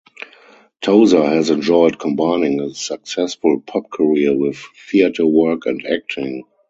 Tozer has enjoyed combining a successful pop career with theatre work and acting.